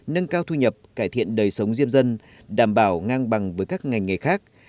nâng cao thu nhập cải thiện đời sống diêm dân đảm bảo ngang bằng với các ngành nghề khác